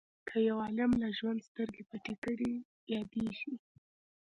که یو عالم له ژوند سترګې پټې کړي یادیږي.